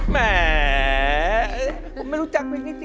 แต่ว่า